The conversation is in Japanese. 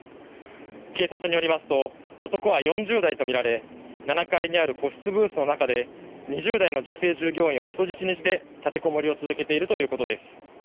警察によりますと男は４０代とみられ７階にある個室ブースの中で２０代の女性従業員を人質にして立てこもりを続けているということです。